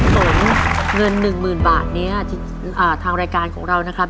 ตนเงิน๑๐๐๐๐บาทนี้ทางรายการของเรานะครับ